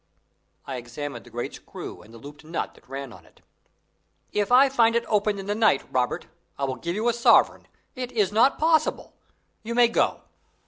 I examined the great screw and the looped nut that ran on it. "If I find it open in the night, Robert, I will give you a sovereign. It is not possible. You may go."